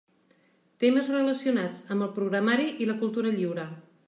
Temes relacionats amb el programari i la cultura lliure.